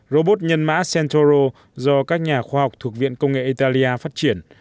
robot nhân mã center do các nhà khoa học thuộc viện công nghệ italia phát triển